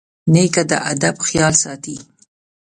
نیکه د ادب خیال ساتي.